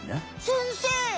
先生！